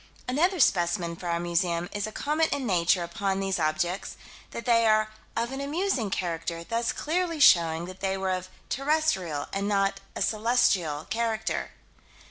Another specimen for our museum is a comment in Nature upon these objects: that they are "of an amusing character, thus clearly showing that they were of terrestrial, and not a celestial, character."